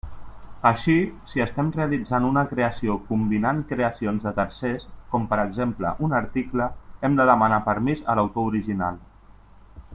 Així, si estem realitzant una creació combinant creacions de tercers, com per exemple un article, hem de demanar permís a l'autor original.